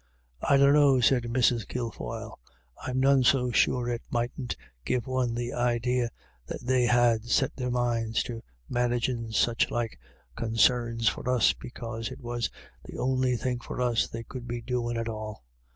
" I dunno," said Mrs. Kilfoyle. " I'm none so sure it mightn't give one the idee that they had set their minds to managin' such like consarns for us because it was the on'y thing for us they could be doin' at all.